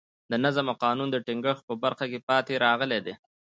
د نظم او قانون د ټینګښت په برخه کې پاتې راغلي دي.